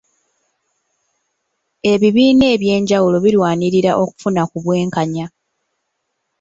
Ebibiina ebyenjawulo birwanirira okufuna ku bwenkanya .